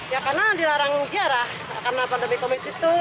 ya karena dilarang ziarah karena pandemi covid itu